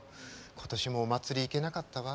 今年もお祭り行けなかったわ。